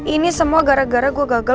ini semua gara gara gue gagal